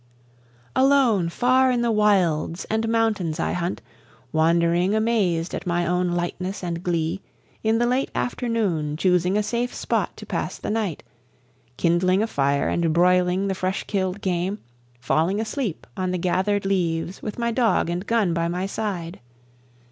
_" Alone far in the wilds and mountains I hunt, Wandering amazed at my own lightness and glee, In the late afternoon choosing a safe spot to pass the night, Kindling a fire and broiling the fresh kill'd game, Falling asleep on the gathered leaves with my dog and gun by my side.